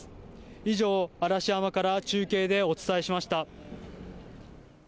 以上、嵐山から中継でお伝えしました。